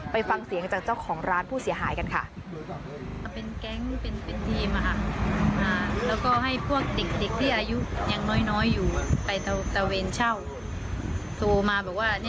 ไปฟังเสียงจากเจ้าของร้านผู้เสียหายกันค่ะ